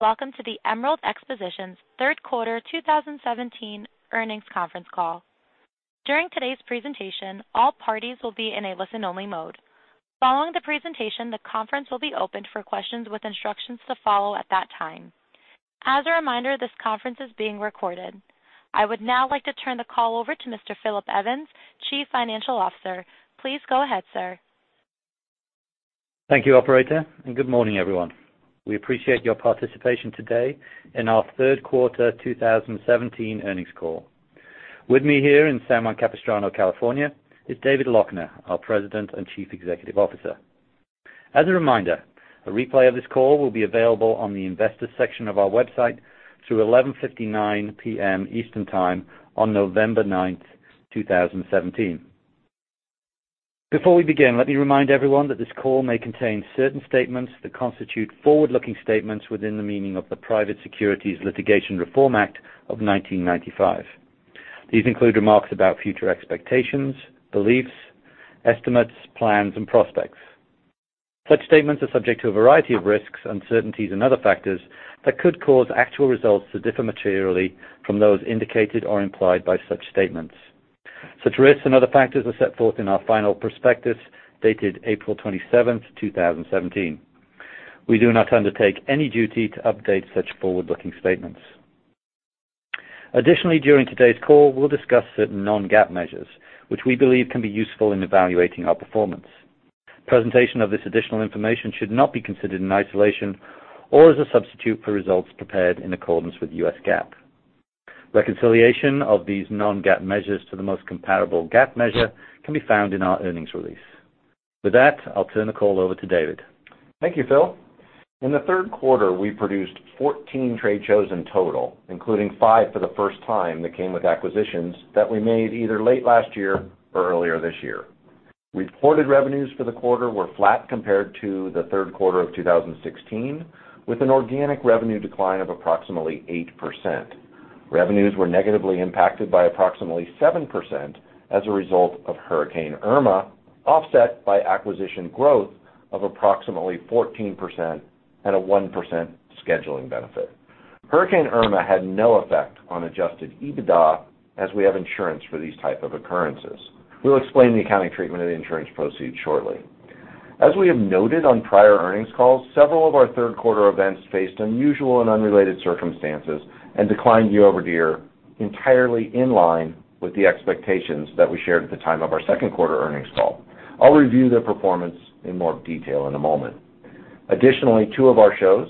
Welcome to the Emerald Expositions' third quarter 2017 earnings conference call. During today's presentation, all parties will be in a listen-only mode. Following the presentation, the conference will be opened for questions with instructions to follow at that time. As a reminder, this conference is being recorded. I would now like to turn the call over to Mr. Philip Evans, Chief Financial Officer. Please go ahead, sir. Thank you, operator. Good morning, everyone. We appreciate your participation today in our third quarter 2017 earnings call. With me here in San Juan Capistrano, California, is David Loechner, our President and Chief Executive Officer. As a reminder, a replay of this call will be available on the Investors section of our website through 11:59 P.M. Eastern Time on November 9th, 2017. Before we begin, let me remind everyone that this call may contain certain statements that constitute forward-looking statements within the meaning of the Private Securities Litigation Reform Act of 1995. These include remarks about future expectations, beliefs, estimates, plans, and prospects. Such statements are subject to a variety of risks, uncertainties, and other factors that could cause actual results to differ materially from those indicated or implied by such statements. Such risks and other factors are set forth in our final prospectus, dated April 27th, 2017. We do not undertake any duty to update such forward-looking statements. Additionally, during today's call, we'll discuss certain non-GAAP measures, which we believe can be useful in evaluating our performance. Presentation of this additional information should not be considered in isolation or as a substitute for results prepared in accordance with US GAAP. Reconciliation of these non-GAAP measures to the most comparable GAAP measure can be found in our earnings release. With that, I'll turn the call over to David. Thank you, Phil. In the third quarter, we produced 14 trade shows in total, including five for the first time that came with acquisitions that we made either late last year or earlier this year. Reported revenues for the quarter were flat compared to the third quarter of 2016, with an organic revenue decline of approximately 8%. Revenues were negatively impacted by approximately 7% as a result of Hurricane Irma, offset by acquisition growth of approximately 14% and a 1% scheduling benefit. Hurricane Irma had no effect on adjusted EBITDA as we have insurance for these type of occurrences. We'll explain the accounting treatment of the insurance proceeds shortly. As we have noted on prior earnings calls, several of our third quarter events faced unusual and unrelated circumstances and declined year-over-year entirely in line with the expectations that we shared at the time of our second quarter earnings call. I'll review their performance in more detail in a moment. Additionally, two of our shows,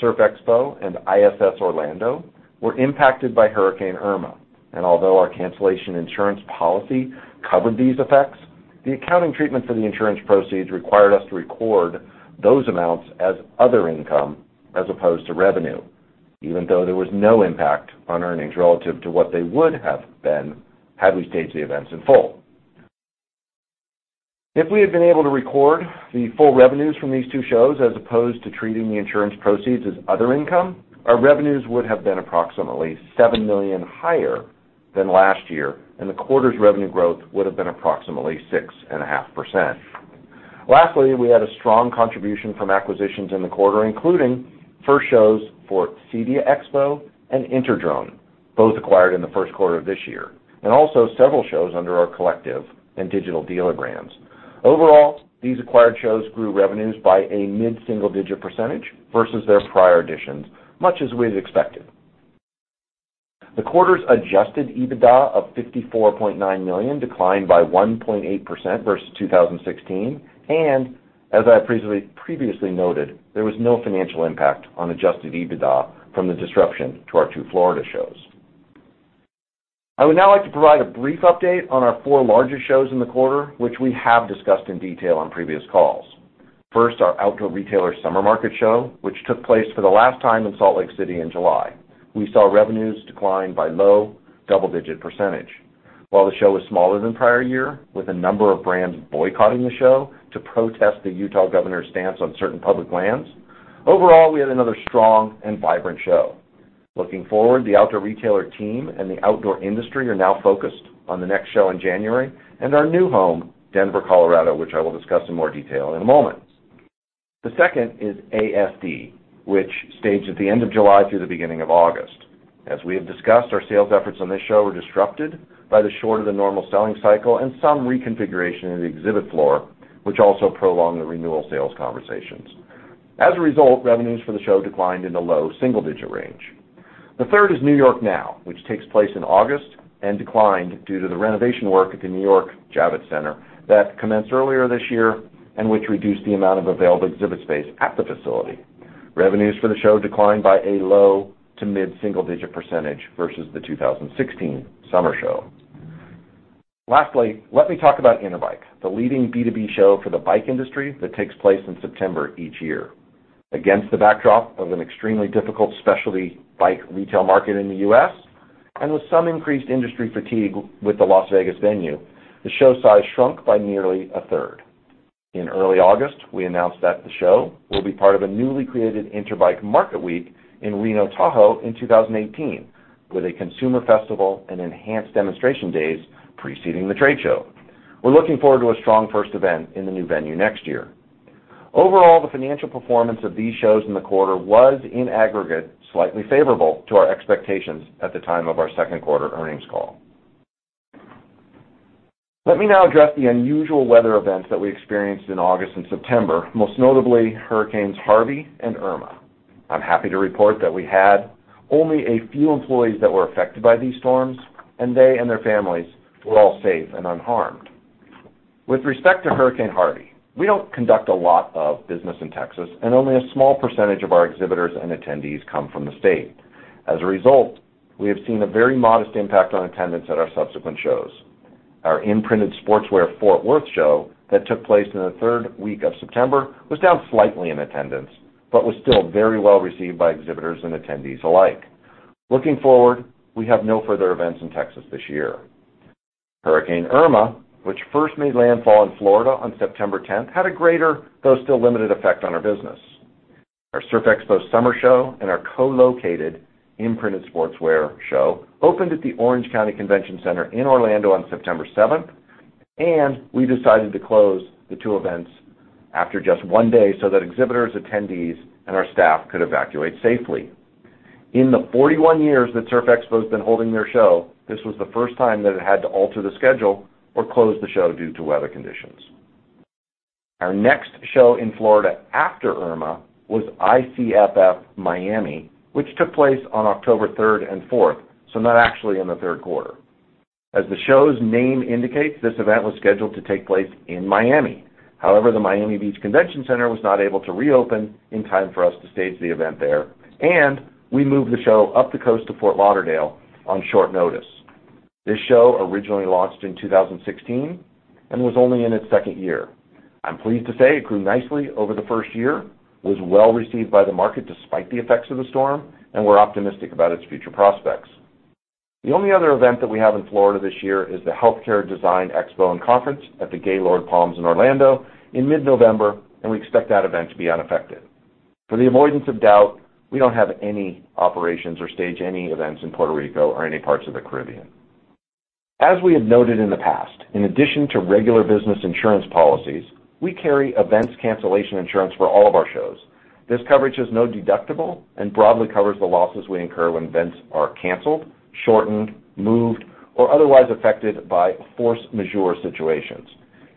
Surf Expo and ISS Orlando, were impacted by Hurricane Irma, and although our cancellation insurance policy covered these effects, the accounting treatment for the insurance proceeds required us to record those amounts as other income as opposed to revenue, even though there was no impact on earnings relative to what they would have been had we staged the events in full. If we had been able to record the full revenues from these two shows as opposed to treating the insurance proceeds as other income, our revenues would have been approximately $7 million higher than last year, and the quarter's revenue growth would've been approximately 6.5%. Lastly, we had a strong contribution from acquisitions in the quarter, including first shows for CEDIA Expo and InterDrone, both acquired in the first quarter of this year, and also several shows under our Collective and Digital Dealer brands. Overall, these acquired shows grew revenues by a mid-single-digit percentage versus their prior editions, much as we had expected. The quarter's adjusted EBITDA of $54.9 million declined by 1.8% versus 2016, and as I previously noted, there was no financial impact on adjusted EBITDA from the disruption to our two Florida shows. I would now like to provide a brief update on our four largest shows in the quarter, which we have discussed in detail on previous calls. First, our Outdoor Retailer Summer Market show, which took place for the last time in Salt Lake City in July. We saw revenues decline by low double-digit percentage. While the show was smaller than prior year, with a number of brands boycotting the show to protest the Utah governor's stance on certain public lands, overall, we had another strong and vibrant show. Looking forward, the Outdoor Retailer team and the outdoor industry are now focused on the next show in January and our new home, Denver, Colorado, which I will discuss in more detail in a moment. The second is ASD, which staged at the end of July through the beginning of August. As we have discussed, our sales efforts on this show were disrupted by the shorter-than-normal selling cycle and some reconfiguration of the exhibit floor, which also prolonged the renewal sales conversations. As a result, revenues for the show declined in the low single-digit range. The third is NY NOW, which takes place in August and declined due to the renovation work at the New York Javits Center that commenced earlier this year and which reduced the amount of available exhibit space at the facility. Revenues for the show declined by a low to mid-single-digit percentage versus the 2016 summer show. Lastly, let me talk about Interbike, the leading B2B show for the bike industry that takes place in September each year. Against the backdrop of an extremely difficult specialty bike retail market in the U.S. and with some increased industry fatigue with the Las Vegas venue, the show size shrunk by nearly a third. In early August, we announced that the show will be part of a newly created Interbike Marketweek in Reno-Tahoe in 2018 with a consumer festival and enhanced demonstration days preceding the trade show. We're looking forward to a strong first event in the new venue next year. Overall, the financial performance of these shows in the quarter was, in aggregate, slightly favorable to our expectations at the time of our second quarter earnings call. Let me now address the unusual weather events that we experienced in August and September, most notably Hurricane Harvey and Hurricane Irma. I'm happy to report that we had only a few employees that were affected by these storms, and they and their families were all safe and unharmed. With respect to Hurricane Harvey, we don't conduct a lot of business in Texas, and only a small percentage of our exhibitors and attendees come from the state. As a result, we have seen a very modest impact on attendance at our subsequent shows. Our Imprinted Sportswear Show Fort Worth show that took place in the third week of September was down slightly in attendance but was still very well received by exhibitors and attendees alike. Looking forward, we have no further events in Texas this year. Hurricane Irma, which first made landfall in Florida on September 10th, had a greater, though still limited, effect on our business. Our Surf Expo summer show and our co-located Imprinted Sportswear Show opened at the Orange County Convention Center in Orlando on September 7th, and we decided to close the two events after just one day so that exhibitors, attendees, and our staff could evacuate safely. In the 41 years that Surf Expo's been holding their show, this was the first time that it had to alter the schedule or close the show due to weather conditions. Our next show in Florida after Irma was ICFF Miami, which took place on October 3rd and 4th, so not actually in the third quarter. As the show's name indicates, this event was scheduled to take place in Miami. However, the Miami Beach Convention Center was not able to reopen in time for us to stage the event there, and we moved the show up the coast to Fort Lauderdale on short notice. This show originally launched in 2016 and was only in its second year. I'm pleased to say it grew nicely over the first year, was well received by the market despite the effects of the storm, and we're optimistic about its future prospects. The only other event that we have in Florida this year is the Healthcare Design Expo & Conference at the Gaylord Palms in Orlando in mid-November, and we expect that event to be unaffected. For the avoidance of doubt, we don't have any operations or stage any events in Puerto Rico or any parts of the Caribbean. As we had noted in the past, in addition to regular business insurance policies, we carry events cancellation insurance for all of our shows. This coverage has no deductible and broadly covers the losses we incur when events are canceled, shortened, moved, or otherwise affected by force majeure situations.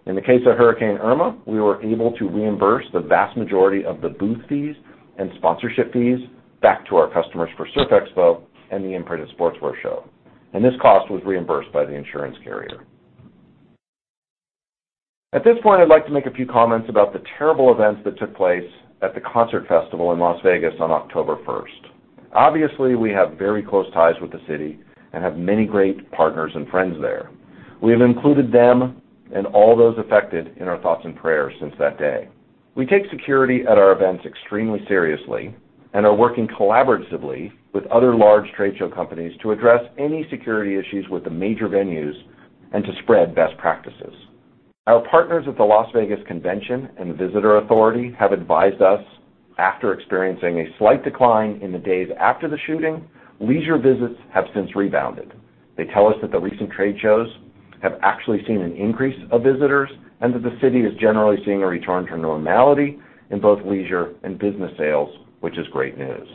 In the case of Hurricane Irma, we were able to reimburse the vast majority of the booth fees and sponsorship fees back to our customers for Surf Expo and the Imprinted Sportswear Show, and this cost was reimbursed by the insurance carrier. At this point, I'd like to make a few comments about the terrible events that took place at the concert festival in Las Vegas on October 1st. Obviously, we have very close ties with the city and have many great partners and friends there. We have included them and all those affected in our thoughts and prayers since that day. We take security at our events extremely seriously and are working collaboratively with other large trade show companies to address any security issues with the major venues and to spread best practices. Our partners at the Las Vegas Convention and Visitors Authority have advised us, after experiencing a slight decline in the days after the shooting, leisure visits have since rebounded. They tell us that the recent trade shows have actually seen an increase of visitors and that the city is generally seeing a return to normality in both leisure and business sales, which is great news.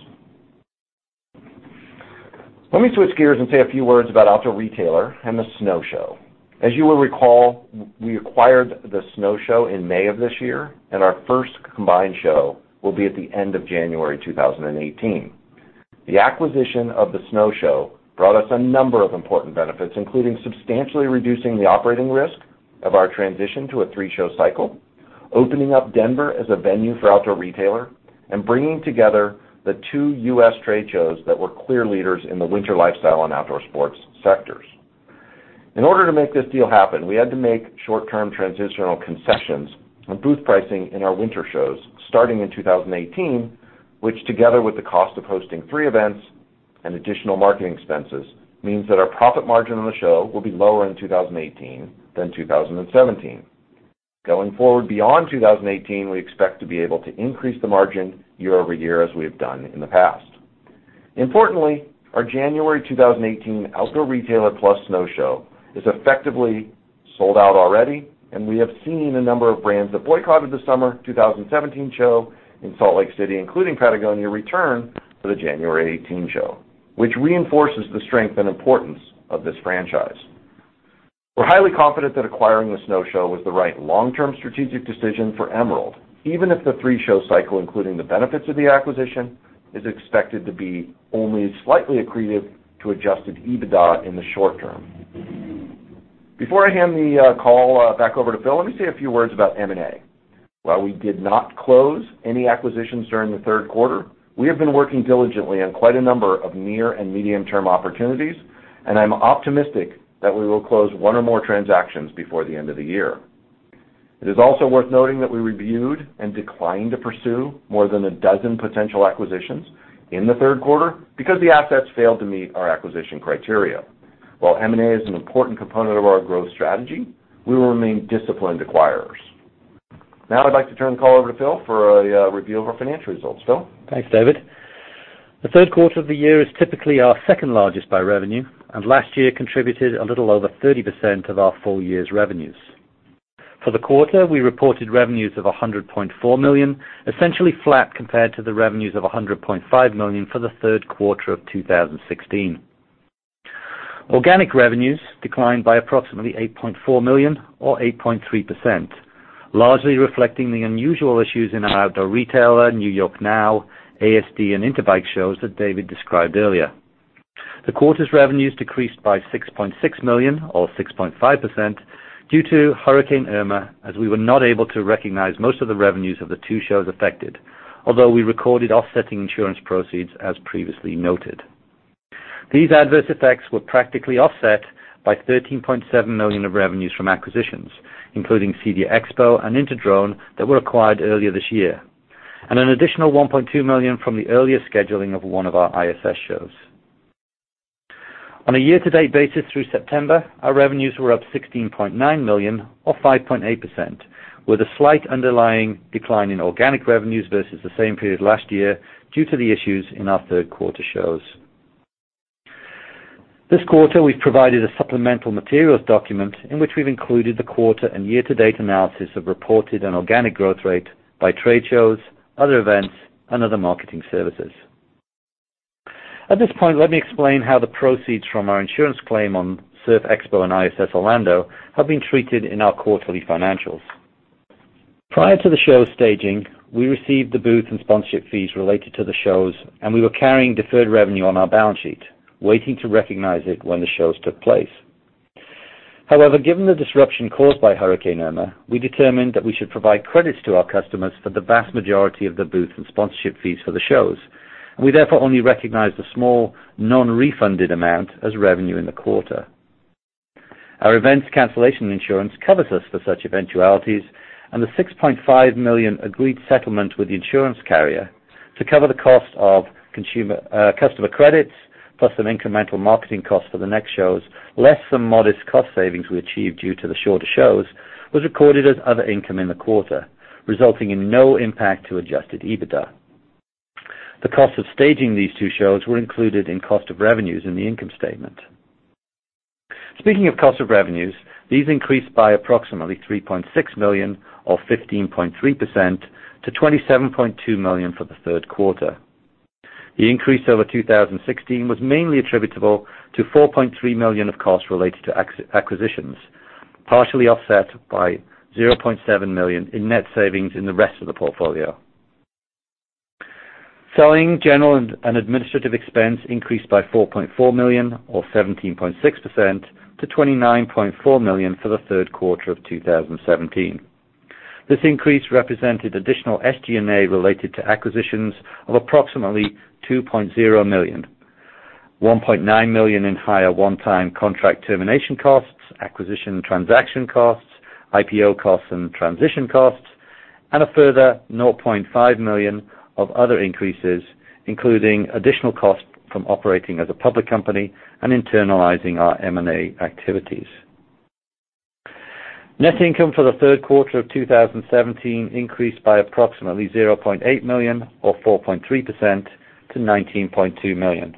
Let me switch gears and say a few words about Outdoor Retailer and the Snow Show. As you will recall, we acquired the Snow Show in May of this year, and our first combined show will be at the end of January 2018. The acquisition of the Snow Show brought us a number of important benefits, including substantially reducing the operating risk of our transition to a three-show cycle, opening up Denver as a venue for Outdoor Retailer, and bringing together the two U.S. trade shows that were clear leaders in the winter lifestyle and outdoor sports sectors. In order to make this deal happen, we had to make short-term transitional concessions on booth pricing in our winter shows starting in 2018, which together with the cost of hosting three events and additional marketing expenses, means that our profit margin on the show will be lower in 2018 than 2017. Going forward beyond 2018, we expect to be able to increase the margin year-over-year as we have done in the past. Importantly, our January 2018 Outdoor Retailer plus Snow Show is effectively sold out already, and we have seen a number of brands that boycotted the summer 2017 show in Salt Lake City, including Patagonia, return for the January 2018 show, which reinforces the strength and importance of this franchise. We're highly confident that acquiring the Snow Show was the right long-term strategic decision for Emerald, even if the three-show cycle, including the benefits of the acquisition, is expected to be only slightly accretive to adjusted EBITDA in the short term. Before I hand the call back over to Phil, let me say a few words about M&A. While we did not close any acquisitions during the third quarter, we have been working diligently on quite a number of near and medium-term opportunities, and I'm optimistic that we will close one or more transactions before the end of the year. It is also worth noting that we reviewed and declined to pursue more than a dozen potential acquisitions in the third quarter because the assets failed to meet our acquisition criteria. While M&A is an important component of our growth strategy, we will remain disciplined acquirers. Now I'd like to turn the call over to Phil for a review of our financial results. Phil? Thanks, David. The third quarter of the year is typically our second largest by revenue, and last year contributed a little over 30% of our full year's revenues. For the quarter, we reported revenues of $100.4 million, essentially flat compared to the revenues of $100.5 million for the third quarter of 2016. Organic revenues declined by approximately $8.4 million or 8.3%, largely reflecting the unusual issues in our Outdoor Retailer, NY NOW, ASD, and Interbike shows that David described earlier. The quarter's revenues decreased by $6.6 million or 6.5% due to Hurricane Irma, as we were not able to recognize most of the revenues of the two shows affected, although we recorded offsetting insurance proceeds as previously noted. These adverse effects were practically offset by $13.7 million of revenues from acquisitions, including CEDIA Expo and InterDrone that were acquired earlier this year, and an additional $1.2 million from the earlier scheduling of one of our ISS shows. On a year-to-date basis through September, our revenues were up $16.9 million or 5.8%, with a slight underlying decline in organic revenues versus the same period last year due to the issues in our third quarter shows. This quarter, we've provided a supplemental materials document in which we've included the quarter and year-to-date analysis of reported and organic growth rate by trade shows, other events, and other marketing services. At this point, let me explain how the proceeds from our insurance claim on Surf Expo and ISS Orlando have been treated in our quarterly financials. Prior to the show staging, we received the booth and sponsorship fees related to the shows, and we were carrying deferred revenue on our balance sheet, waiting to recognize it when the shows took place. However, given the disruption caused by Hurricane Irma, we determined that we should provide credits to our customers for the vast majority of the booth and sponsorship fees for the shows. We therefore only recognized a small, non-refunded amount as revenue in the quarter. Our events cancellation insurance covers us for such eventualities, and the $6.5 million agreed settlement with the insurance carrier to cover the cost of customer credits, plus some incremental marketing costs for the next shows, less some modest cost savings we achieved due to the shorter shows, was recorded as other income in the quarter, resulting in no impact to adjusted EBITDA. The cost of staging these two shows were included in cost of revenues in the income statement. Speaking of cost of revenues, these increased by approximately $3.6 million or 15.3% to $27.2 million for the third quarter. The increase over 2016 was mainly attributable to $4.3 million of costs related to acquisitions, partially offset by $0.7 million in net savings in the rest of the portfolio. Selling, general and administrative expense increased by $4.4 million or 17.6% to $29.4 million for the third quarter of 2017. This increase represented additional SG&A related to acquisitions of approximately $2.0 million, $1.9 million in higher one-time contract termination costs, acquisition transaction costs, IPO costs and transition costs, and a further $0.5 million of other increases, including additional costs from operating as a public company and internalizing our M&A activities. Net income for the third quarter of 2017 increased by approximately $0.8 million or 4.3% to $19.2 million.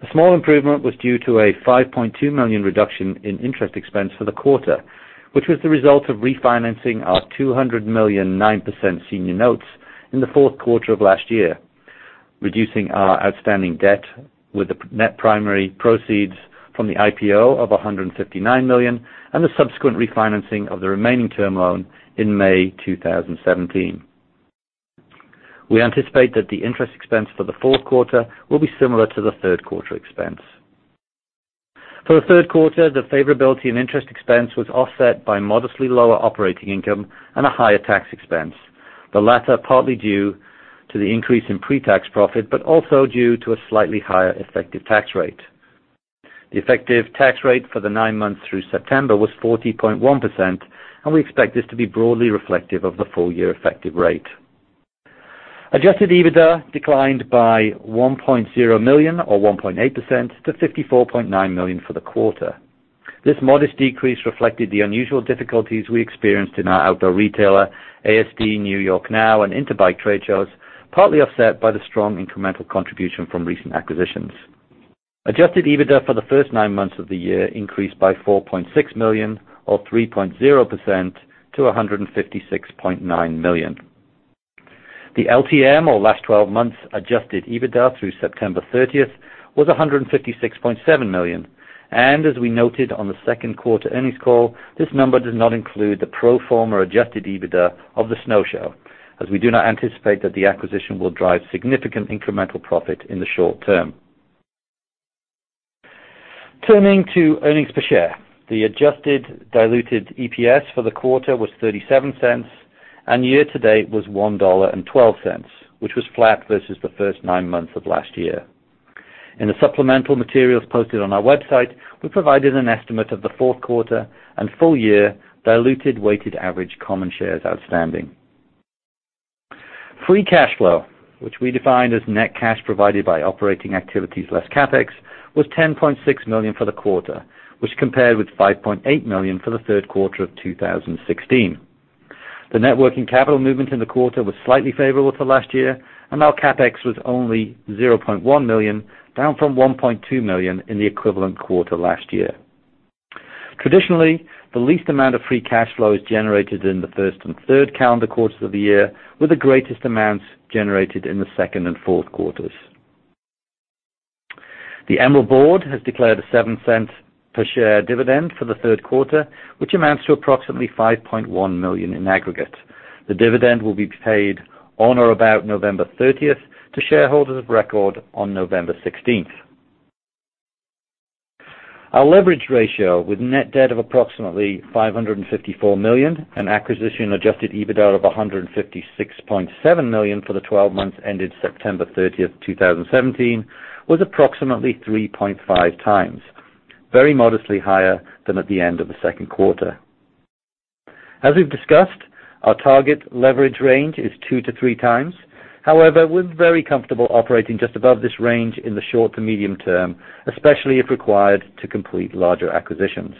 The small improvement was due to a $5.2 million reduction in interest expense for the quarter, which was the result of refinancing our $200 million 9% senior notes in the fourth quarter of last year, reducing our outstanding debt with the net primary proceeds from the IPO of $159 million and the subsequent refinancing of the remaining term loan in May 2017. We anticipate that the interest expense for the fourth quarter will be similar to the third quarter expense. For the third quarter, the favorability in interest expense was offset by modestly lower operating income and a higher tax expense, the latter partly due to the increase in pre-tax profit, but also due to a slightly higher effective tax rate. The effective tax rate for the nine months through September was 40.1%. We expect this to be broadly reflective of the full year effective rate. Adjusted EBITDA declined by $1.0 million or 1.8% to $54.9 million for the quarter. This modest decrease reflected the unusual difficulties we experienced in our Outdoor Retailer, ASD, NY NOW, and Interbike trade shows, partly offset by the strong incremental contribution from recent acquisitions. adjusted EBITDA for the first nine months of the year increased by $4.6 million or 3.0% to $156.9 million. The LTM or last 12 months adjusted EBITDA through September 30th was $156.7 million. As we noted on the second quarter earnings call, this number does not include the pro forma or adjusted EBITDA of the Snow Show, as we do not anticipate that the acquisition will drive significant incremental profit in the short term. Turning to earnings per share, the adjusted diluted EPS for the quarter was $0.37 and year to date was $1.12, which was flat versus the first nine months of last year. In the supplemental materials posted on our website, we provided an estimate of the fourth quarter and full year diluted weighted average common shares outstanding. Free cash flow, which we define as net cash provided by operating activities less CapEx, was $10.6 million for the quarter, which compared with $5.8 million for the third quarter of 2016. The net working capital movement in the quarter was slightly favorable to last year. Our CapEx was only $0.1 million, down from $1.2 million in the equivalent quarter last year. Traditionally, the least amount of free cash flow is generated in the first and third calendar quarters of the year, with the greatest amounts generated in the second and fourth quarters. The Emerald board has declared a $0.07 per share dividend for the third quarter, which amounts to approximately $5.1 million in aggregate. The dividend will be paid on or about November 30th to shareholders of record on November 16th. Our leverage ratio with net debt of approximately $554 million and acquisition-adjusted EBITDA of $156.7 million for the 12 months ended September 30th, 2017, was approximately 3.5 times, very modestly higher than at the end of the second quarter. As we've discussed, our target leverage range is two to three times. However, we're very comfortable operating just above this range in the short to medium term, especially if required to complete larger acquisitions.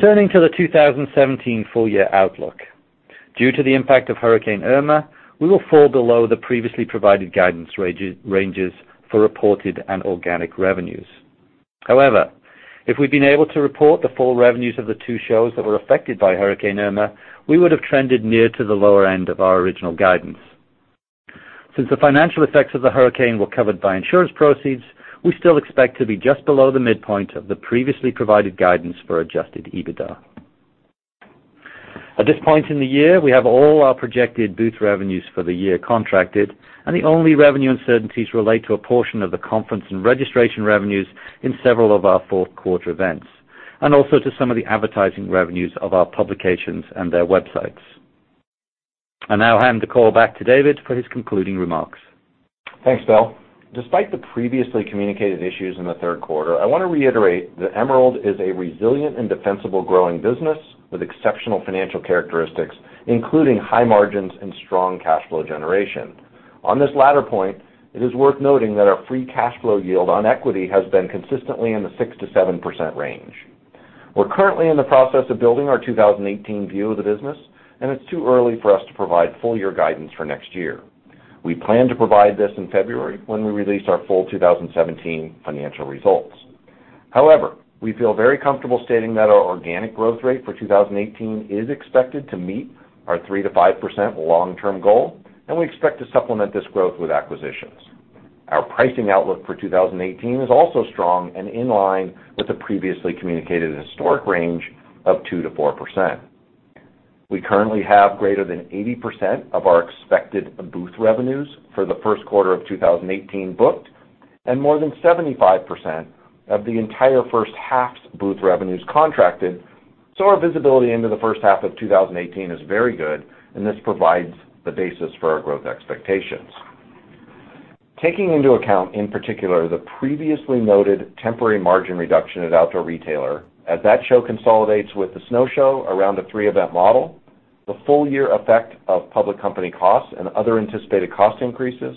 Turning to the 2017 full-year outlook. Due to the impact of Hurricane Irma, we will fall below the previously provided guidance ranges for reported and organic revenues. However, if we'd been able to report the full revenues of the two shows that were affected by Hurricane Irma, we would have trended near to the lower end of our original guidance. Since the financial effects of the hurricane were covered by insurance proceeds, we still expect to be just below the midpoint of the previously provided guidance for adjusted EBITDA. At this point in the year, we have all our projected booth revenues for the year contracted, and the only revenue uncertainties relate to a portion of the conference and registration revenues in several of our fourth-quarter events, and also to some of the advertising revenues of our publications and their websites. I now hand the call back to David for his concluding remarks. Thanks, Phil. Despite the previously communicated issues in the third quarter, I want to reiterate that Emerald is a resilient and defensible growing business with exceptional financial characteristics, including high margins and strong free cash flow generation. On this latter point, it is worth noting that our free cash flow yield on equity has been consistently in the 6%-7% range. We're currently in the process of building our 2018 view of the business, and it's too early for us to provide full-year guidance for next year. We plan to provide this in February when we release our full 2017 financial results. However, we feel very comfortable stating that our organic growth rate for 2018 is expected to meet our 3%-5% long-term goal, and we expect to supplement this growth with acquisitions. Our pricing outlook for 2018 is also strong and in line with the previously communicated historic range of 2%-4%. We currently have greater than 80% of our expected booth revenues for the first quarter of 2018 booked, and more than 75% of the entire first half's booth revenues contracted. Our visibility into the first half of 2018 is very good, and this provides the basis for our growth expectations. Taking into account, in particular, the previously noted temporary margin reduction at Outdoor Retailer, as that show consolidates with the Snow Show around a 3-event model, the full-year effect of public company costs and other anticipated cost increases,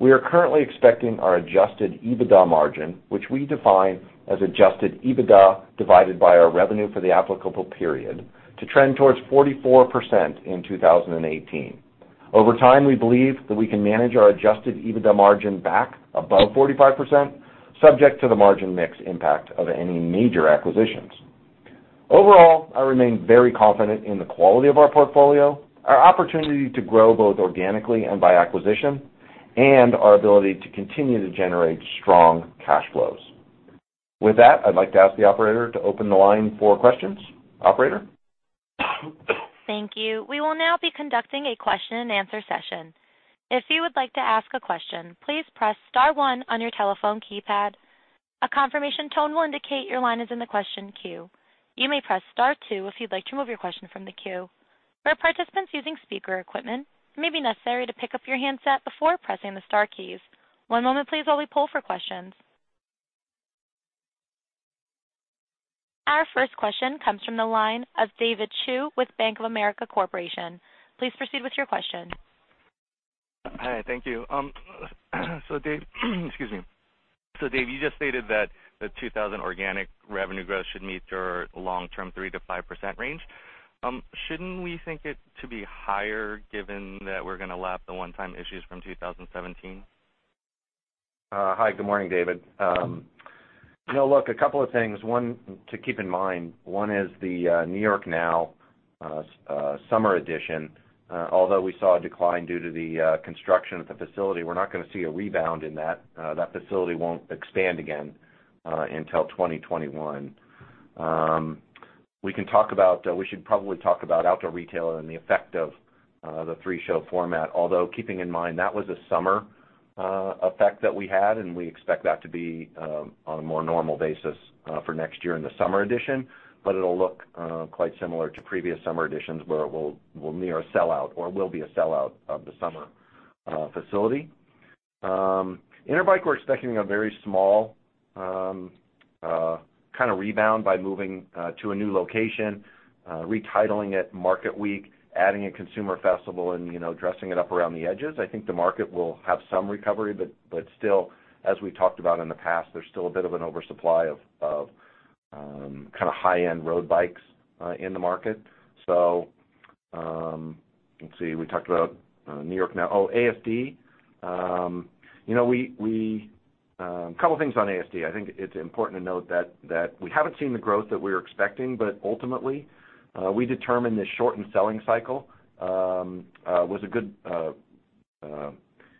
we are currently expecting our adjusted EBITDA margin, which we define as adjusted EBITDA divided by our revenue for the applicable period, to trend towards 44% in 2018. Over time, we believe that we can manage our adjusted EBITDA margin back above 45%, subject to the margin mix impact of any major acquisitions. Overall, I remain very confident in the quality of our portfolio, our opportunity to grow both organically and by acquisition, and our ability to continue to generate strong cash flows. With that, I'd like to ask the operator to open the line for questions. Operator? Thank you. We will now be conducting a question and answer session. If you would like to ask a question, please press *1 on your telephone keypad. A confirmation tone will indicate your line is in the question queue. You may press *2 if you'd like to remove your question from the queue. For participants using speaker equipment, it may be necessary to pick up your handset before pressing the star keys. One moment please while we poll for questions. Our first question comes from the line of David Chu with Bank of America Corporation. Please proceed with your question. Hi, thank you. Excuse me. Dave, you just stated that the 2,000 organic revenue growth should meet your long-term 3%-5% range. Shouldn't we think it to be higher given that we're going to lap the one-time issues from 2017? Hi, good morning, David. Look, a couple of things to keep in mind. One is the NY NOW Summer Edition. Although we saw a decline due to the construction at the facility, we're not going to see a rebound in that. That facility won't expand again until 2021. We should probably talk about Outdoor Retailer and the effect of the three-show format, although keeping in mind, that was a summer effect that we had, and we expect that to be on a more normal basis for next year in the summer edition, but it'll look quite similar to previous summer editions where it will near a sellout or will be a sellout of the summer facility. Interbike, we're expecting a very small kind of rebound by moving to a new location, retitling it Marketweek, adding a consumer festival, and dressing it up around the edges. I think the market will have some recovery, but still, as we talked about in the past, there's still a bit of an oversupply of kind of high-end road bikes in the market. Let's see, we talked about NY NOW. ASD. A couple of things on ASD. I think it's important to note that we haven't seen the growth that we were expecting, but ultimately, we determined the shortened selling cycle was good.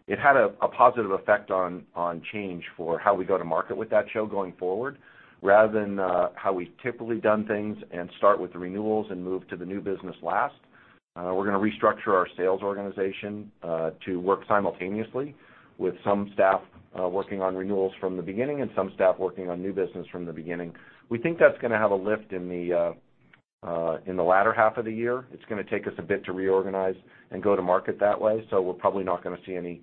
It had a positive effect on change for how we go to market with that show going forward, rather than how we've typically done things and start with the renewals and move to the new business last. We're going to restructure our sales organization to work simultaneously with some staff working on renewals from the beginning and some staff working on new business from the beginning. We think that's going to have a lift in the latter half of the year. It's going to take us a bit to reorganize and go to market that way. We're probably not going to see any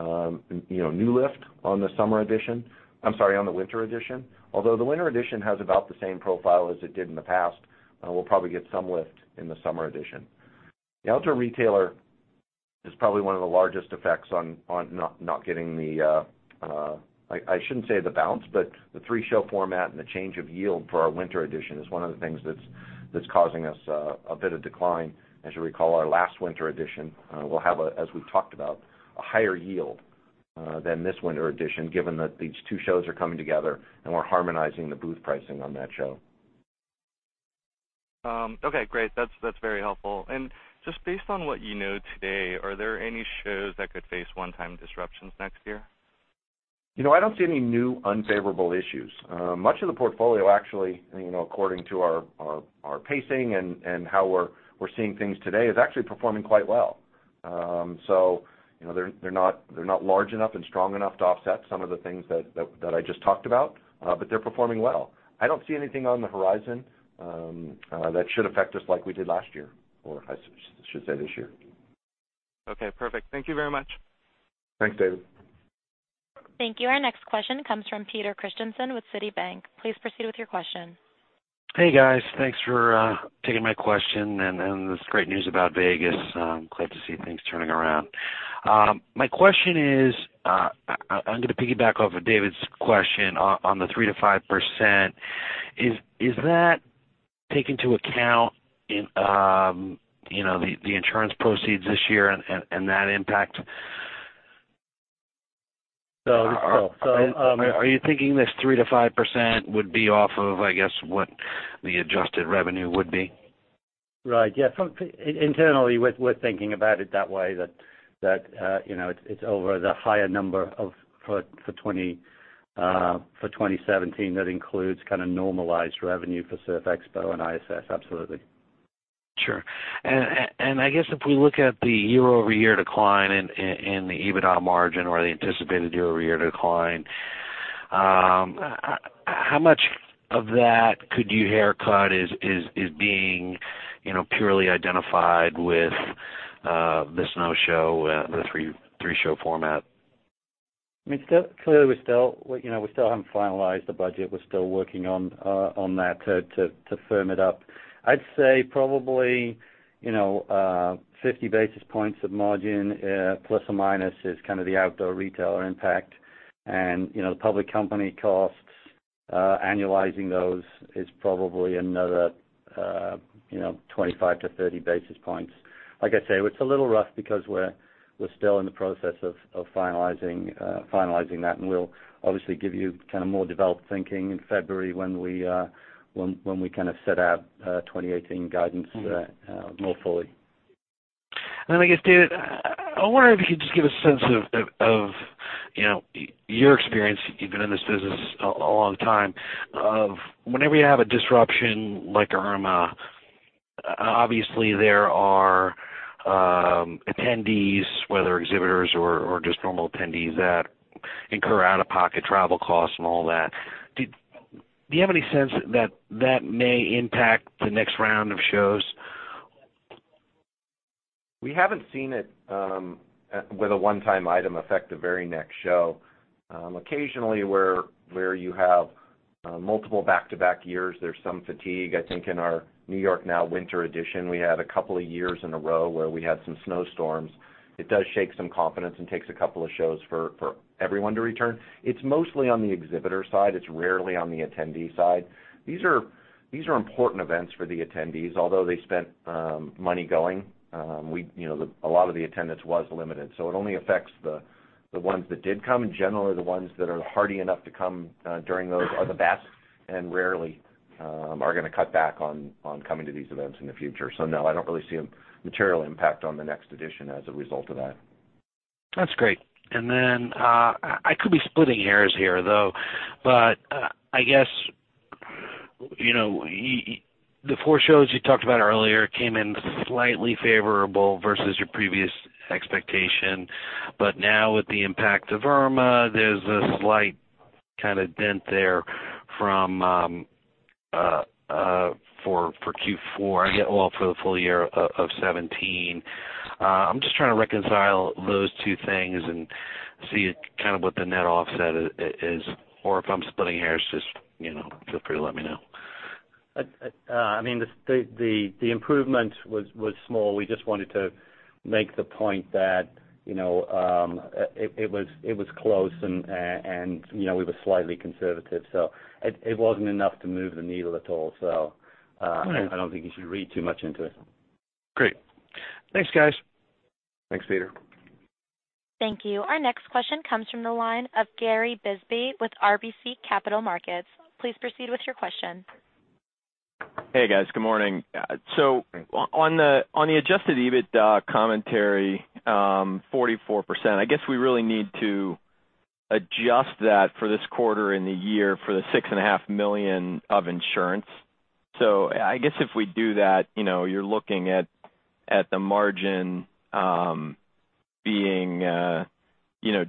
new lift on the summer edition. I'm sorry, on the winter edition. Although the winter edition has about the same profile as it did in the past, we'll probably get some lift in the summer edition. The Outdoor Retailer is probably one of the largest effects on not getting the I shouldn't say the bounce, but the three-show format and the change of yield for our winter edition is one of the things that's causing us a bit of decline. As you recall, our last winter edition will have a, as we've talked about, a higher yield than this winter edition, given that these two shows are coming together and we're harmonizing the booth pricing on that show. Okay, great. That's very helpful. Just based on what you know today, are there any shows that could face one-time disruptions next year? I don't see any new unfavorable issues. Much of the portfolio actually, according to our pacing and how we're seeing things today, is actually performing quite well. They're not large enough and strong enough to offset some of the things that I just talked about, but they're performing well. I don't see anything on the horizon that should affect us like we did last year, or I should say this year. Okay, perfect. Thank you very much. Thanks, David. Thank you. Our next question comes from Peter Christiansen with Citigroup. Please proceed with your question. Hey, guys. Thanks for taking my question and this great news about Vegas. I'm glad to see things turning around. My question is, I'm going to piggyback off of David's question on the 3%-5%. Is that take into account the insurance proceeds this year and that impact? So- Are you thinking this 3%-5% would be off of, I guess, what the adjusted revenue would be? Right. Yeah. Internally, we're thinking about it that way, that it's over the higher number for 2017. That includes kind of normalized revenue for Surf Expo and ISS, absolutely. Sure. I guess if we look at the year-over-year decline in the EBITDA margin or the anticipated year-over-year decline, how much of that could you haircut is being purely identified with the Snow Show, the three-show format? Clearly, we still haven't finalized the budget. We're still working on that to firm it up. I'd say probably 50 basis points of margin, plus or minus, is kind of the Outdoor Retailer impact. The public company costs, annualizing those is probably another 25-30 basis points. Like I say, it's a little rough because we're still in the process of finalizing that. We'll obviously give you more developed thinking in February when we kind of set out 2018 guidance more fully. David, I wonder if you could just give a sense of your experience, you've been in this business a long time of, whenever you have a disruption like Irma, obviously there are attendees, whether exhibitors or just normal attendees that incur out-of-pocket travel costs and all that. Do you have any sense that that may impact the next round of shows? We haven't seen it with a one-time item affect the very next show. Occasionally, where you have multiple back-to-back years, there's some fatigue. I think in our NY NOW winter edition, we had a couple of years in a row where we had some snowstorms. It does shake some confidence and takes a couple of shows for everyone to return. It's mostly on the exhibitor side. It's rarely on the attendee side. These are important events for the attendees. Although they spent money going, a lot of the attendance was limited. It only affects the ones that did come. Generally, the ones that are hardy enough to come during those are the best, and rarely are going to cut back on coming to these events in the future. No, I don't really see a material impact on the next edition as a result of that. That's great. I could be splitting hairs here, though, I guess, the four shows you talked about earlier came in slightly favorable versus your previous expectation. Now with the impact of Irma, there's a Kind of dent there for Q4. I get all for the full year of 2017. I'm just trying to reconcile those two things and see kind of what the net offset is, or if I'm splitting hairs, just feel free to let me know. The improvement was small. We just wanted to make the point that it was close and we were slightly conservative. It wasn't enough to move the needle at all. All right. I don't think you should read too much into it. Great. Thanks, guys. Thanks, Peter. Thank you. Our next question comes from the line of Gary Bisbee with RBC Capital Markets. Please proceed with your question. Hey, guys. Good morning. Hey. On the adjusted EBITDA commentary, 44%, I guess we really need to adjust that for this quarter and the year for the $6.5 million of insurance. I guess if we do that, you're looking at the margin being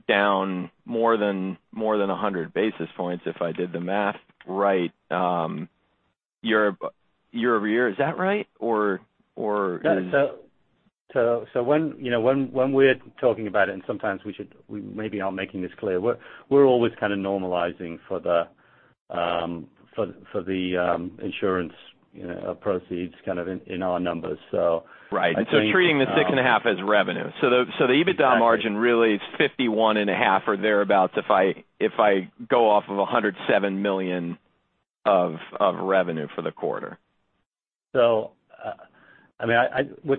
down more than 100 basis points if I did the math right, year-over-year. Is that right? Or is- When we're talking about it, and sometimes we maybe aren't making this clear, we're always kind of normalizing for the insurance proceeds kind of in our numbers. Right. Treating the six and a half as revenue. Exactly. The EBITDA margin really is 51.5% or thereabouts if I go off of $107 million of revenue for the quarter. We're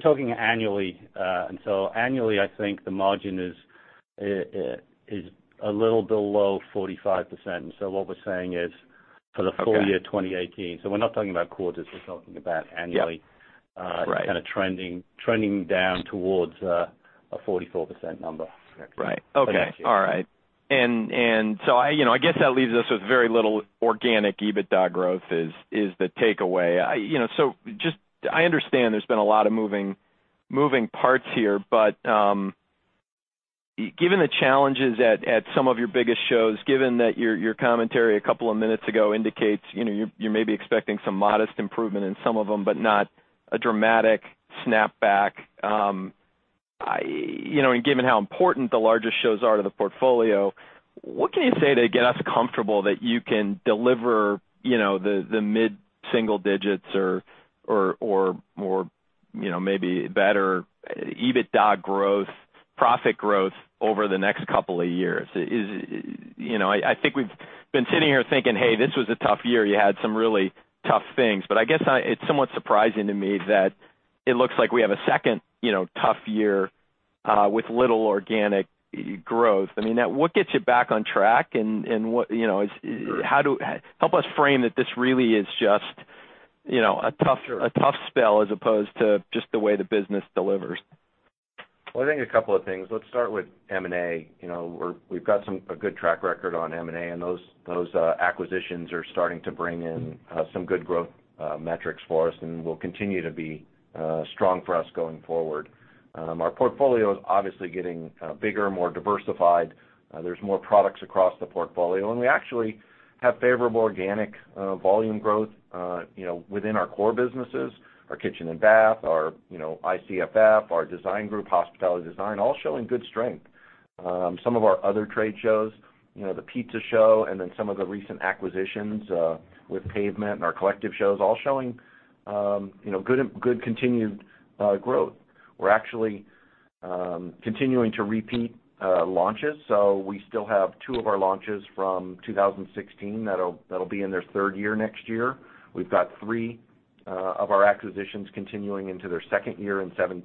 talking annually. Annually, I think the margin is a little below 45%. What we're saying is for the full year 2018. We're not talking about quarters, we're talking about annually. Yep. Right. Kind of trending down towards a 44% number. Correct. Right. Okay. Next year. All right. I guess that leaves us with very little organic EBITDA growth is the takeaway. I understand there's been a lot of moving parts here, but given the challenges at some of your biggest shows, given that your commentary a couple of minutes ago indicates you're maybe expecting some modest improvement in some of them, but not a dramatic snapback. Given how important the largest shows are to the portfolio, what can you say to get us comfortable that you can deliver the mid-single digits or more maybe better EBITDA growth, profit growth over the next couple of years? I think we've been sitting here thinking, "Hey, this was a tough year. You had some really tough things." I guess it's somewhat surprising to me that it looks like we have a second tough year with little organic growth. What gets you back on track? Sure. Help us frame that this really is just a tough spell as opposed to just the way the business delivers. Well, I think a couple of things. Let's start with M&A. We've got a good track record on M&A. Those acquisitions are starting to bring in some good growth metrics for us and will continue to be strong for us going forward. Our portfolio is obviously getting bigger and more diversified. There's more products across the portfolio. We actually have favorable organic volume growth within our core businesses. Our kitchen and bath, our ICFF, our design group, Hospitality Design, all showing good strength. Some of our other trade shows, the pizza show and then some of the recent acquisitions with Pavement and our Collective shows all showing good continued growth. We're actually continuing to repeat launches. We still have two of our launches from 2016 that'll be in their third year next year. We've got three of our acquisitions continuing into their second year from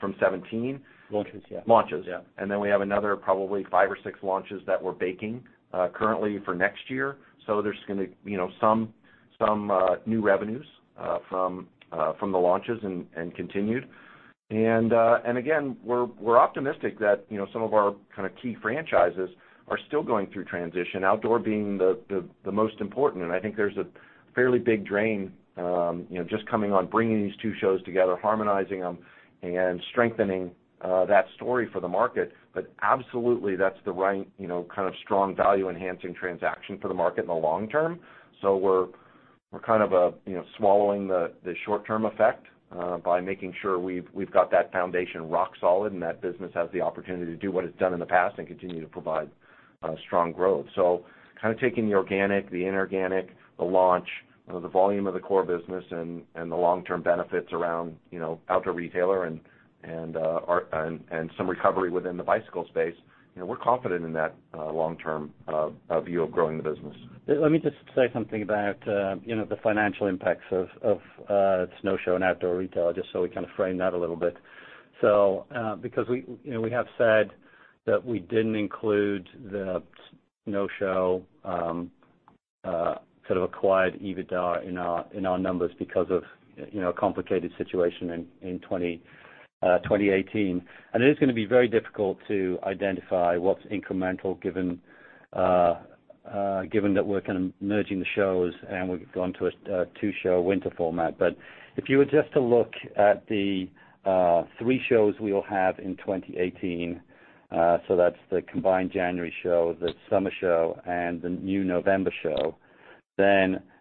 2017. Launches, yeah. Launches. Yeah. We have another probably five or six launches that we're baking currently for next year. There's going to be some new revenues from the launches and continued. Again, we're optimistic that some of our kind of key franchises are still going through transition, Outdoor being the most important. I think there's a fairly big drain just coming on bringing these two shows together, harmonizing them, and strengthening that story for the market. Absolutely, that's the right kind of strong value-enhancing transaction for the market in the long term. We're kind of swallowing the short-term effect by making sure we've got that foundation rock solid and that business has the opportunity to do what it's done in the past and continue to provide strong growth. kind of taking the organic, the inorganic, the launch, the volume of the core business, and the long-term benefits around Outdoor Retailer and some recovery within the bicycle space, we're confident in that long-term view of growing the business. Let me just say something about the financial impacts of Snow Show and Outdoor Retailer, just so we kind of frame that a little bit. we have said that we didn't include the Snow Show sort of acquired EBITDA in our numbers because of a complicated situation in 2018. it is going to be very difficult to identify what's incremental given that we're kind of merging the shows, and we've gone to a two-show winter format. if you were just to look at the three shows we will have in 2018. That's the combined January show, the summer show, and the new November show.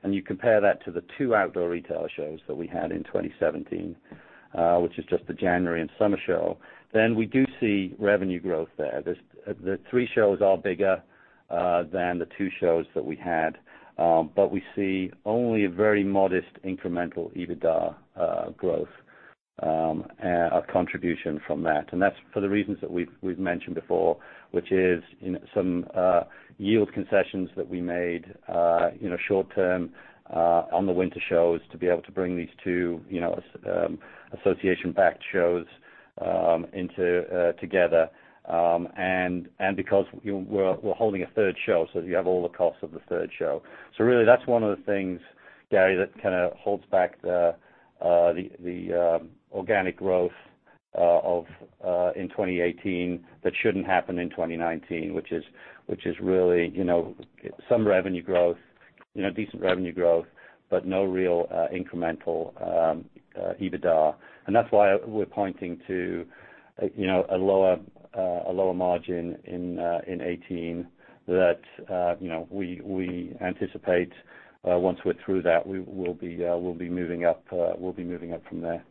you compare that to the two Outdoor Retailer shows that we had in 2017, which is just the January and summer show, then we do see revenue growth there. The three shows are bigger than the two shows that we had. we see only a very modest incremental EBITDA growth, a contribution from that. that's for the reasons that we've mentioned before, which is some yield concessions that we made short-term on the winter shows to be able to bring these two association-backed shows together, and because we're holding a third show, so you have all the costs of the third show. really, that's one of the things, Gary, that kind of holds back the organic growth in 2018, that shouldn't happen in 2019, which is really some decent revenue growth, but no real incremental EBITDA. that's why we're pointing to a lower margin in 2018 that we anticipate once we're through that, we'll be moving up from there.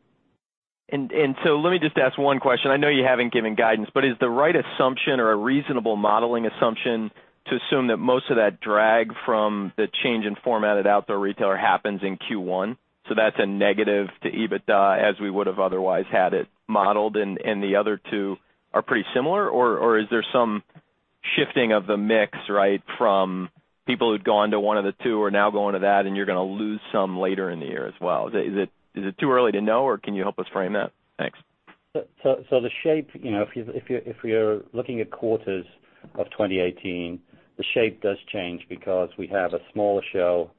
let me just ask one question. I know you haven't given guidance, but is the right assumption or a reasonable modeling assumption to assume that most of that drag from the change in format at Outdoor Retailer happens in Q1? that's a negative to EBITDA as we would've otherwise had it modeled and the other two are pretty similar, or is there some shifting of the mix from people who'd gone to one of the two are now going to that, and you're going to lose some later in the year as well? Is it too early to know, or can you help us frame that? Thanks. The shape, if you're looking at quarters of 2018, the shape does change because we have a smaller show,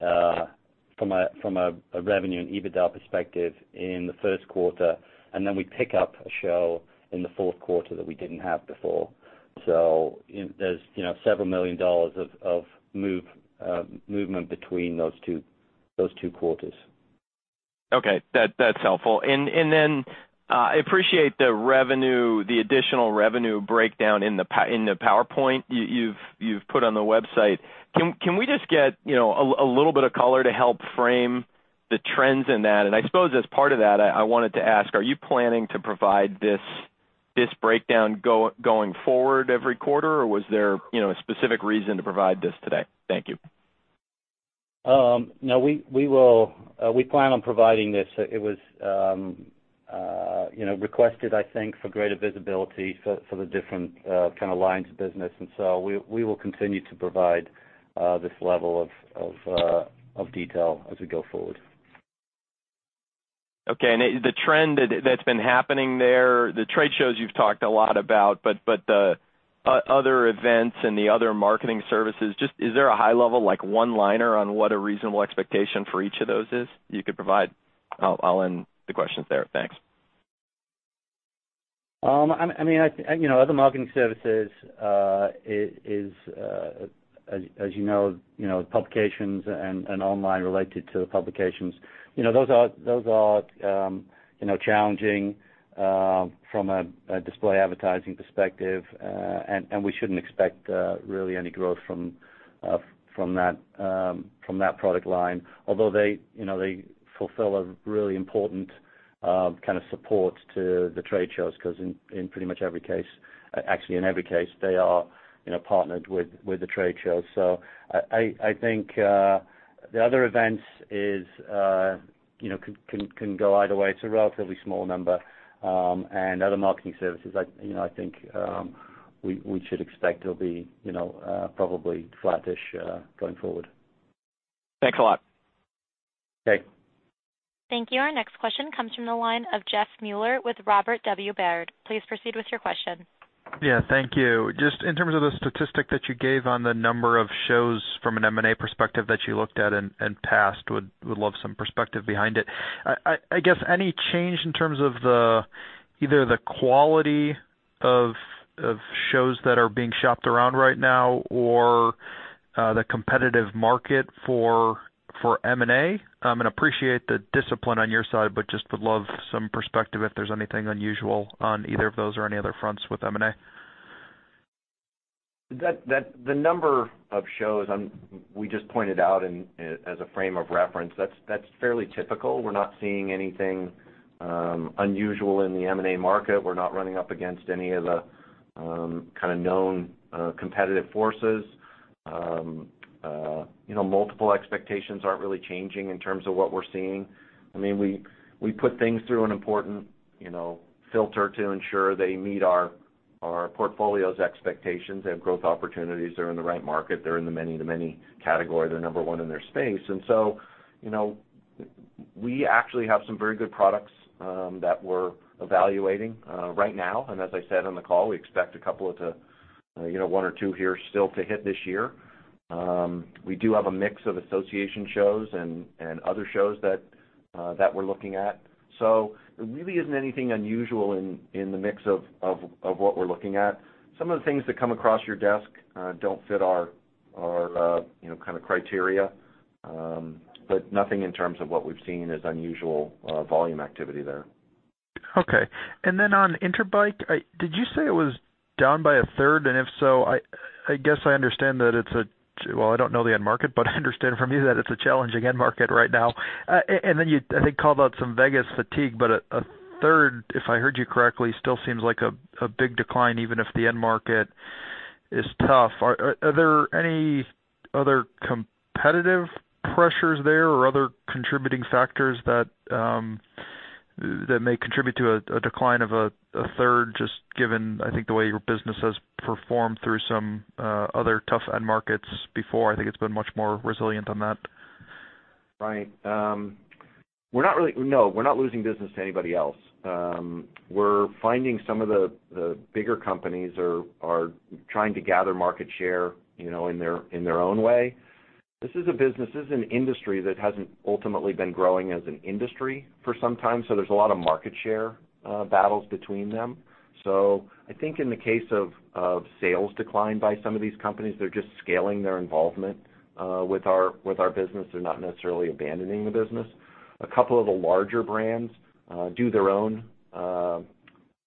from a revenue and EBITDA perspective in the first quarter, then we pick up a show in the fourth quarter that we didn't have before. There's several million dollars of movement between those two quarters. Okay. That's helpful. I appreciate the additional revenue breakdown in the PowerPoint you've put on the website. Can we just get a little bit of color to help frame the trends in that? I suppose as part of that, I wanted to ask, are you planning to provide this breakdown going forward every quarter, or was there a specific reason to provide this today? Thank you. No. We plan on providing this. It was requested, I think, for greater visibility for the different kind of lines of business. We will continue to provide this level of detail as we go forward. Okay. The trend that's been happening there, the trade shows you've talked a lot about, but the other events and the other marketing services, just is there a high level, like one-liner on what a reasonable expectation for each of those is you could provide? I'll end the questions there. Thanks. Other marketing services, as you know, publications and online related to the publications. Those are challenging from a display advertising perspective. We shouldn't expect really any growth from that product line, although they fulfill a really important kind of support to the trade shows because in pretty much every case, actually in every case, they are partnered with the trade shows. I think the other events can go either way. It's a relatively small number. Other marketing services, I think, we should expect it'll be probably flat-ish going forward. Thanks a lot. Okay. Thank you. Our next question comes from the line of Jeff Meuler with Robert W. Baird. Please proceed with your question. Yeah, thank you. Just in terms of the statistic that you gave on the number of shows from an M&A perspective that you looked at and passed, would love some perspective behind it. I guess any change in terms of either the quality of shows that are being shopped around right now or the competitive market for M&A? Appreciate the discipline on your side, but just would love some perspective if there's anything unusual on either of those or any other fronts with M&A. The number of shows we just pointed out as a frame of reference, that's fairly typical. We're not seeing anything unusual in the M&A market. We're not running up against any of the kind of known competitive forces. Multiple expectations aren't really changing in terms of what we're seeing. We put things through an important filter to ensure they meet our portfolio's expectations. They have growth opportunities. They're in the right market. They're in the many-to-many category. They're number 1 in their space. We actually have some very good products that we're evaluating right now. As I said on the call, we expect one or two here still to hit this year. We do have a mix of association shows and other shows that we're looking at. There really isn't anything unusual in the mix of what we're looking at. Some of the things that come across your desk don't fit our kind of criteria Nothing in terms of what we've seen as unusual volume activity there. Okay. On Interbike, did you say it was down by a third? If so, I guess I understand that it's a Well, I don't know the end market, but I understand from you that it's a challenging end market right now. You, I think, called out some Vegas fatigue, but a third, if I heard you correctly, still seems like a big decline, even if the end market is tough. Are there any other competitive pressures there or other contributing factors that may contribute to a decline of a third, just given, I think, the way your business has performed through some other tough end markets before? I think it's been much more resilient on that. Right. No, we're not losing business to anybody else. We're finding some of the bigger companies are trying to gather market share in their own way. This is a business, this is an industry that hasn't ultimately been growing as an industry for some time, so there's a lot of market share battles between them. I think in the case of sales decline by some of these companies, they're just scaling their involvement with our business. They're not necessarily abandoning the business. A couple of the larger brands do their own,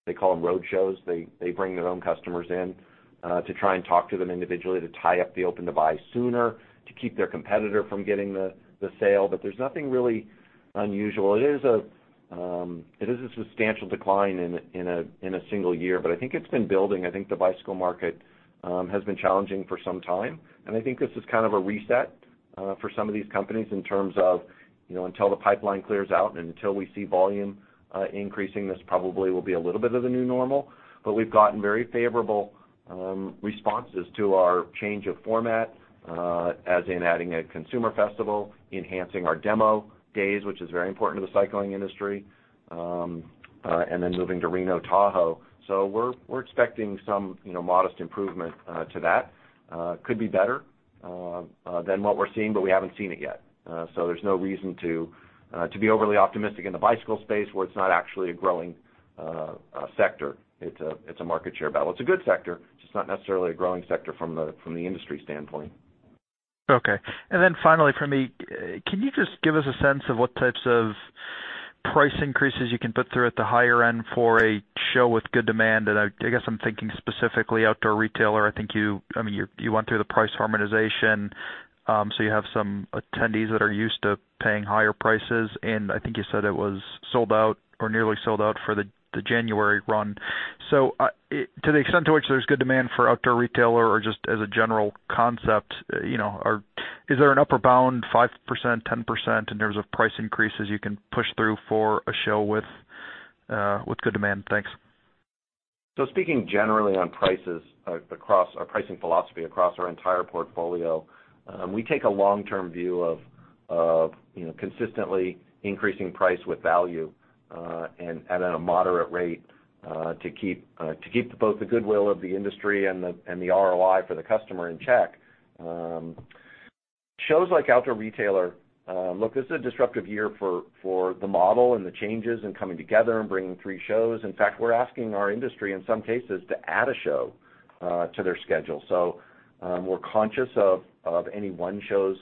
they call them road shows. They bring their own customers in to try and talk to them individually to tie up the open to buy sooner, to keep their competitor from getting the sale. There's nothing really unusual. It is a substantial decline in a single year, but I think it's been building. I think the bicycle market has been challenging for some time, and I think this is kind of a reset for some of these companies in terms of, until the pipeline clears out and until we see volume increasing, this probably will be a little bit of the new normal. We've gotten very favorable responses to our change of format, as in adding a consumer festival, enhancing our demo days, which is very important to the cycling industry, and then moving to Reno Tahoe. We're expecting some modest improvement to that. Could be better than what we're seeing, but we haven't seen it yet. There's no reason to be overly optimistic in the bicycle space where it's not actually a growing sector. It's a market share battle. It's a good sector, just not necessarily a growing sector from the industry standpoint. Okay. Finally from me, can you just give us a sense of what types of price increases you can put through at the higher end for a show with good demand? I guess I'm thinking specifically Outdoor Retailer. I think you, I mean, you went through the price harmonization, so you have some attendees that are used to paying higher prices, and I think you said it was sold out or nearly sold out for the January run. To the extent to which there's good demand for Outdoor Retailer or just as a general concept, is there an upper bound, 5%, 10%, in terms of price increases you can push through for a show with good demand? Thanks. Speaking generally on prices across our pricing philosophy, across our entire portfolio, we take a long-term view of consistently increasing price with value and at a moderate rate, to keep both the goodwill of the industry and the ROI for the customer in check. Shows like Outdoor Retailer, look, this is a disruptive year for the model and the changes and coming together and bringing three shows. In fact, we're asking our industry, in some cases, to add a show to their schedule. We're conscious of any one show's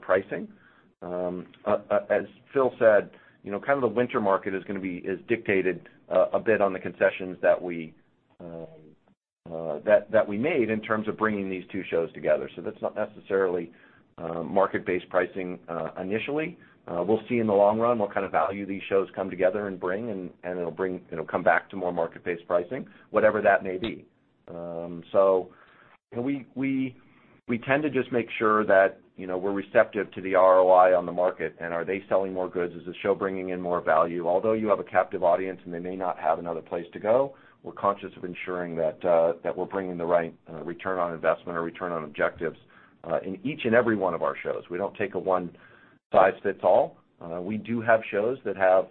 pricing. As Phil said, kind of the winter market is dictated a bit on the concessions that we made in terms of bringing these two shows together. That's not necessarily market-based pricing initially. We'll see in the long run what kind of value these shows come together and bring, and it'll come back to more market-based pricing, whatever that may be. So we tend to just make sure that we're receptive to the ROI on the market, and are they selling more goods? Is the show bringing in more value? Although you have a captive audience and they may not have another place to go, we're conscious of ensuring that we're bringing the right return on investment or return on objectives in each and every one of our shows. We don't take a one size fits all. We do have shows that have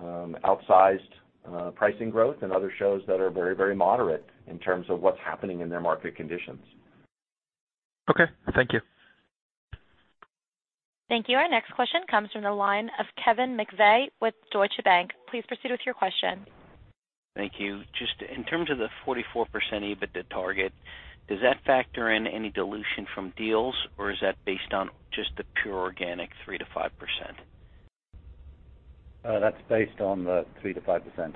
outsized pricing growth and other shows that are very moderate in terms of what's happening in their market conditions. Okay. Thank you. Thank you. Our next question comes from the line of Kevin McVeigh with Deutsche Bank. Please proceed with your question. Thank you. Just in terms of the 44% EBITDA target, does that factor in any dilution from deals, or is that based on just the pure organic 3%-5%? That's based on the 3%-5%.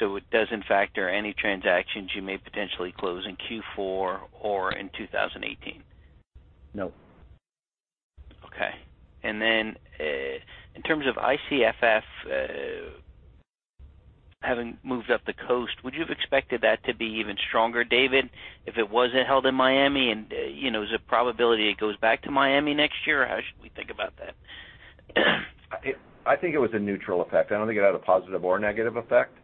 It doesn't factor any transactions you may potentially close in Q4 or in 2018? No. Okay. In terms of ICFF having moved up the coast, would you have expected that to be even stronger, David, if it wasn't held in Miami? Is there probability it goes back to Miami next year? How should we think about that? I think it was a neutral effect. I don't think it had a positive or negative effect.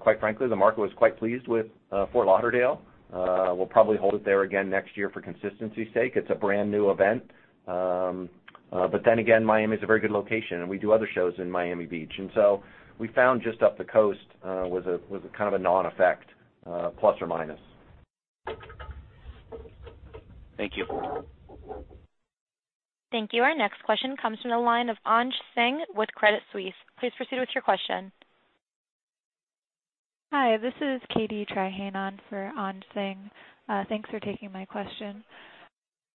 Quite frankly, the market was quite pleased with Fort Lauderdale. We'll probably hold it there again next year for consistency's sake. It's a brand-new event. Miami's a very good location, and we do other shows in Miami Beach. We found just up the coast was a kind of a non-effect, plus or minus. Thank you. Thank you. Our next question comes from the line of Anj Singh with Credit Suisse. Please proceed with your question. Hi, this is Katie Trahan on for Anj Singh. Thanks for taking my question.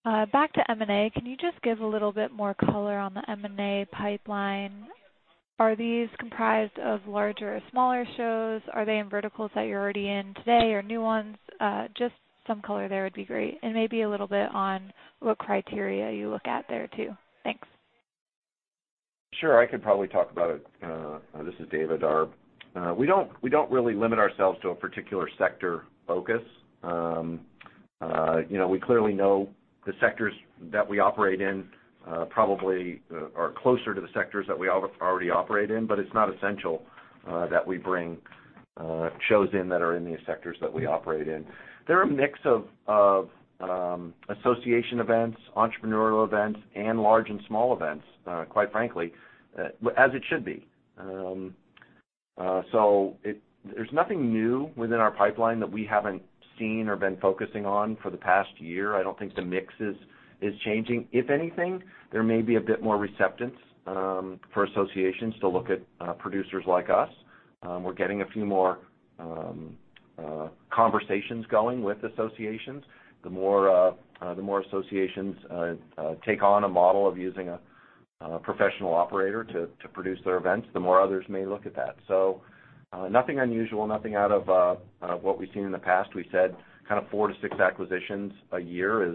Back to M&A, can you just give a little bit more color on the M&A pipeline? Are these comprised of larger or smaller shows? Are they in verticals that you're already in today or new ones? Just some color there would be great, and maybe a little bit on what criteria you look at there, too. Thanks. Sure. I could probably talk about it. This is David Loechner. We don't really limit ourselves to a particular sector focus. We clearly know the sectors that we operate in probably are closer to the sectors that we already operate in, but it's not essential that we bring shows in that are in these sectors that we operate in. They're a mix of association events, entrepreneurial events, and large and small events, quite frankly, as it should be. There's nothing new within our pipeline that we haven't seen or been focusing on for the past year. I don't think the mix is changing. If anything, there may be a bit more receptance for associations to look at producers like us. We're getting a few more conversations going with associations. The more associations take on a model of using a professional operator to produce their events, the more others may look at that. Nothing unusual, nothing out of what we've seen in the past. We said four to six acquisitions a year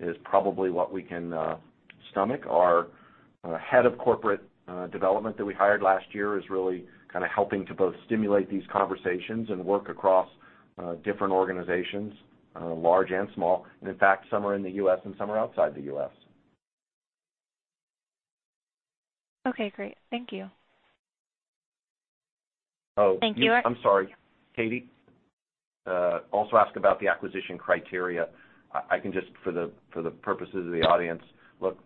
is probably what we can stomach. Our head of corporate development that we hired last year is really kind of helping to both stimulate these conversations and work across different organizations, large and small, and in fact, some are in the U.S. and some are outside the U.S. Okay, great. Thank you. Oh- Thank you. I'm sorry. Katie also asked about the acquisition criteria. I can just, for the purposes of the audience, look,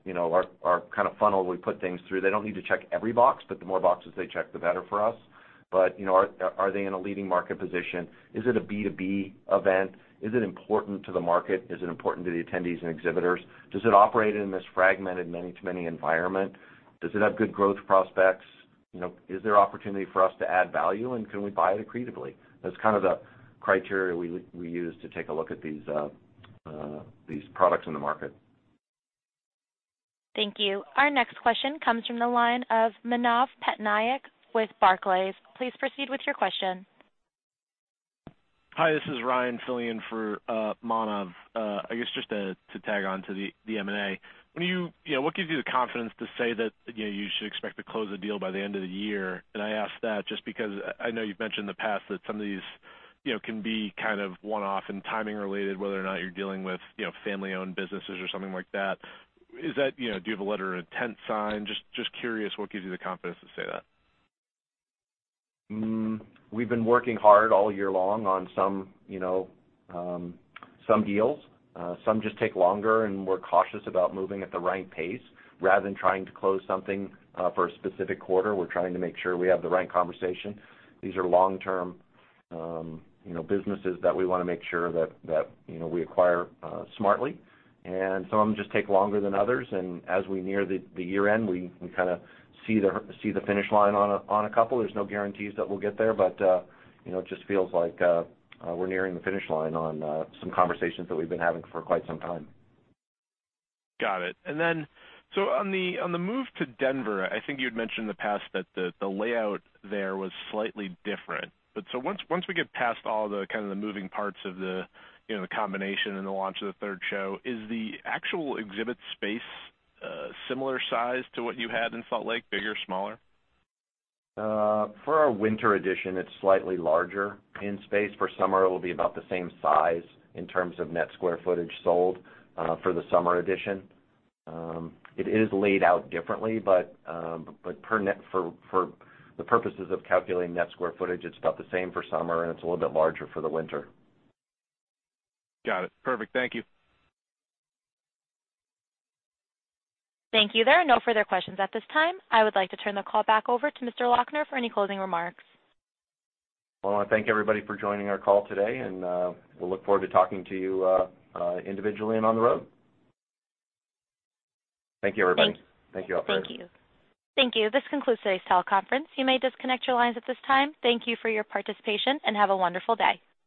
our kind of funnel we put things through, they don't need to check every box, but the more boxes they check, the better for us. Are they in a leading market position? Is it a B2B event? Is it important to the market? Is it important to the attendees and exhibitors? Does it operate in this fragmented many-to-many environment? Does it have good growth prospects? Is there opportunity for us to add value, and can we buy it accretively? That's kind of the criteria we use to take a look at these products in the market. Thank you. Our next question comes from the line of Manav Patnaik with Barclays. Please proceed with your question. Hi, this is Ryan filling in for Manav. I guess just to tag on to the M&A. What gives you the confidence to say that you should expect to close a deal by the end of the year? I ask that just because I know you've mentioned in the past that some of these can be kind of one-off and timing related, whether or not you're dealing with family-owned businesses or something like that. Do you have a letter of intent signed? Just curious what gives you the confidence to say that. We've been working hard all year long on some deals. Some just take longer, and we're cautious about moving at the right pace rather than trying to close something for a specific quarter. We're trying to make sure we have the right conversation. These are long-term businesses that we want to make sure that we acquire smartly, and some of them just take longer than others. As we near the year-end, we kind of see the finish line on a couple. There's no guarantees that we'll get there, but it just feels like we're nearing the finish line on some conversations that we've been having for quite some time. Got it. On the move to Denver, I think you had mentioned in the past that the layout there was slightly different. Once we get past all the kind of the moving parts of the combination and the launch of the third show, is the actual exhibit space a similar size to what you had in Salt Lake, bigger, smaller? For our winter edition, it's slightly larger in space. For summer, it will be about the same size in terms of net square footage sold for the summer edition. It is laid out differently, but for the purposes of calculating net square footage, it's about the same for summer, and it's a little bit larger for the winter. Got it. Perfect. Thank you. Thank you. There are no further questions at this time. I would like to turn the call back over to Mr. Loechner for any closing remarks. Well, I thank everybody for joining our call today, and we'll look forward to talking to you individually and on the road. Thank you, everybody. Thanks. Thank you, operator. Thank you. This concludes today's teleconference. You may disconnect your lines at this time. Thank you for your participation, and have a wonderful day.